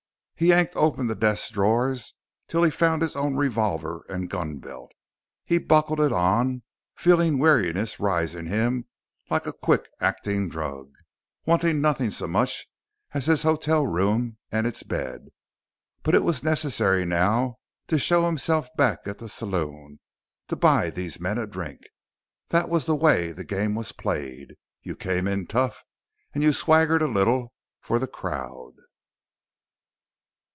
He yanked open desk drawers till he found his own revolver and gunbelt. He buckled it on, feeling weariness rise in him like a quick acting drug, wanting nothing so much as his hotel room and its bed. But it was necessary now to show himself back at the saloon, to buy these men a drink. That was the way the game was played. You came in tough. And you swaggered a little for the crowd.